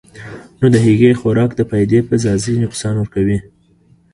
نو د هغې خوراک د فائدې پۀ ځائے نقصان ورکوي -